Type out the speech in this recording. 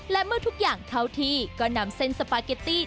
และเมื่อทุกอย่างเข้าที่ก็นำเส้นสปาเกตตี้